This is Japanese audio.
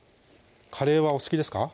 カレーはお好きですか？